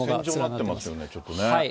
線状になってますよね、ちょっとね。